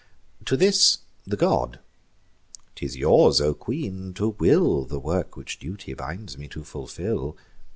To this the god: "'Tis yours, O queen, to will The work which duty binds me to fulfil.